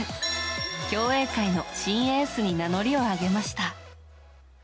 競泳界の新エースに名乗りを上げました。